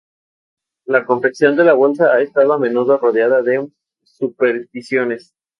La confección de la bolsa ha estado a menudo rodeada de supersticiones.